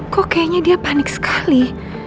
kok kayaknya dia panik sekali